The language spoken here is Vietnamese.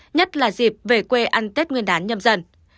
nhất là dịp về quê ăn tết nguyên đán nhâm dần